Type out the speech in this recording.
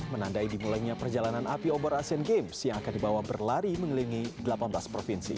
menandai dimulainya perjalanan api obor asian games yang akan dibawa berlari mengelilingi delapan belas provinsi